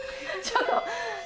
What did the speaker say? ちょっと。